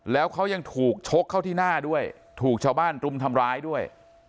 แล้วเขายังถูกชกเข้าที่หน้าด้วยถูกชาวบ้านรุมทำร้ายด้วย